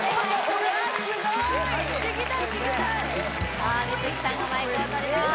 さあＭｉｚｋｉさんがマイクを取ります